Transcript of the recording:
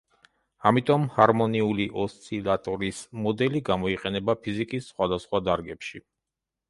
ამიტომ ჰარმონიული ოსცილატორის მოდელი გამოიყენება ფიზიკის სხვადასხვა დარგებში.